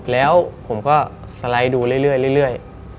แล้วผมก็สไลด์ดูเรื่อย